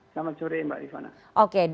selamat sore mbak rifana